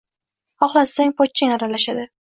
Xohlasat pochchang aralashadi.